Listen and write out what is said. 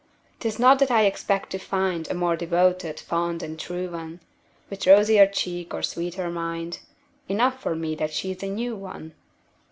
'Tis not that I expect to find A more devoted, fond and true one, With rosier cheek or sweeter mind Enough for me that she's a new one.